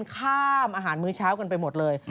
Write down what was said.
ข้ามอาหารมื้อเช้ากันไปหมดเลย